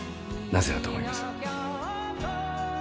なぜだと思います？